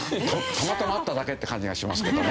たまたま合っただけって感じがしますけどね。